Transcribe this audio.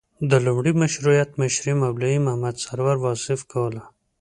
د لومړي مشروطیت مشري مولوي محمد سرور واصف کوله.